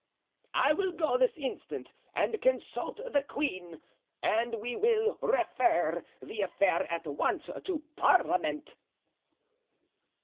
"I will go this instant and consult the queen, and we will refer the affair at once to parliament."